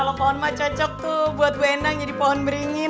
kalau pohon mah cocok tuh buat gue enang jadi pohon beringin